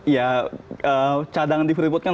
ya cadangan di freeport kan